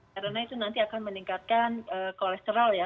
karena itu nanti akan meningkatkan kolesterol ya